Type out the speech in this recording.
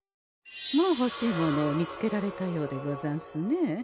もうほしいものを見つけられたようでござんすね。